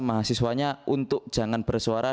mahasiswanya untuk jangan bersuara